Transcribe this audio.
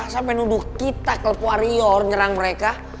sampai nuduh kita klub warrior nyerang mereka